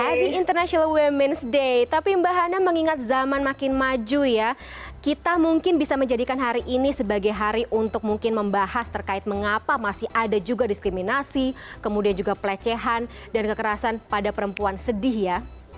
having international ⁇ rements ⁇ day tapi mbak hana mengingat zaman makin maju ya kita mungkin bisa menjadikan hari ini sebagai hari untuk mungkin membahas terkait mengapa masih ada juga diskriminasi kemudian juga pelecehan dan kekerasan pada perempuan sedih ya